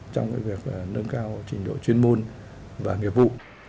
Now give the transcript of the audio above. trong việc nâng cao trình độ chuyên môn và nghiệp vụ